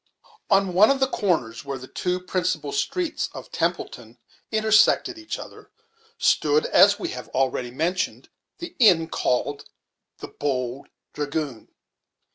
On one of the corners, where the two principal streets of Templeton intersected each other, stood, as we have already mentioned, the inn called the "Bold Dragoon".